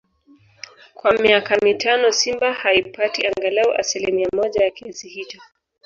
kwa miaka mitano Simba haipati angalau asilimia moja ya kiasi hicho